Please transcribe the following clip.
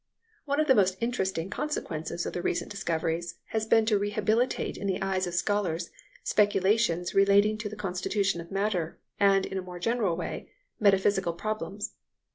One of the most interesting consequences of the recent discoveries has been to rehabilitate in the eyes of scholars, speculations relating to the constitution of matter, and, in a more general way, metaphysical problems.